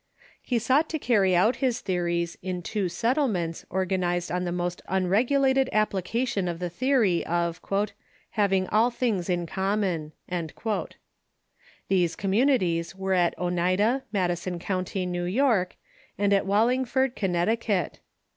He sought to carry out his theories in two settlements organized on the most unregulated THE MORMONS 583 application of the theory of "having all things in common." These communities were at Oneida, Madison County, New York, and at Wallingford, Connecticut.